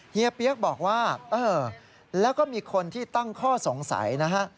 เฮียกบอกว่าเออแล้วก็มีคนที่ตั้งข้อสงสัยนะฮะ